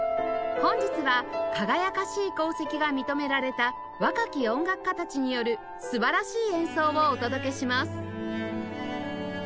本日は輝かしい功績が認められた若き音楽家たちによる素晴らしい演奏をお届けします